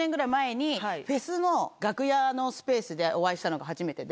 フェスの楽屋のスペースでお会いしたのが初めてで。